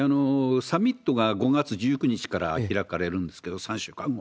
サミットが５月１９日から開かれるんですけれども、３週間後。